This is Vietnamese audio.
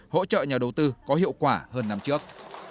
hỗ trợ nhà đầu tư có hiệu quả hơn năm trước